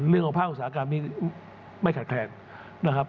เรื่องของภาคอุตสาหกรรมนี้ไม่ขาดแทนนะครับ